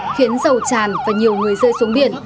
khiến dầu tràn và nhiều người rơi xuống biển